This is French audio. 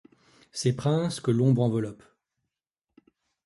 Ces princes, que l’ombre enveloppe